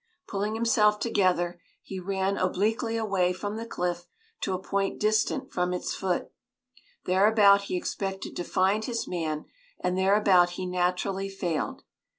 Pulling himself together, he ran obliquely away from the cliff to a point distant from its foot; thereabout he expected to find his man; and thereabout he naturally failed.